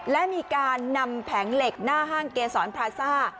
และมีการนำแผงเหล็กหน้าห้างเกษรพราซ่า